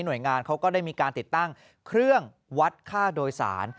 โดยงานเขาก็ได้มีการติดตั้งเครื่องวัดค่าโดยสาร